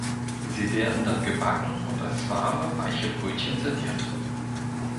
Sie werden dann gebacken und als warme, weiche Brötchen serviert.